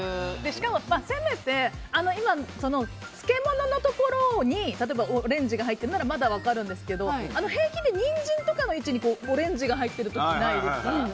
しかも、せめて漬物のところに例えばオレンジが入っているのはまだ分かるんですけど平気で、ニンジンとかの位置にオレンジが入っている時ないですか？